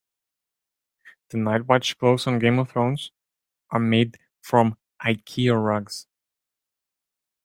The night watch cloaks on Game of Thrones are made from Ikea rugs.